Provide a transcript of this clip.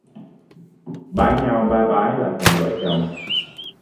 Bái nhau ba bái là thành vợ chồng